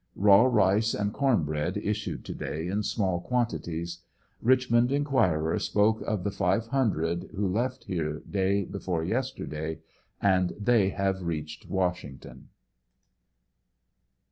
Raw rice and corn bread issued to day in small quantities. Richmond Enquirer spoke of the live hundred who left here day before yesterday and they have reached Washington.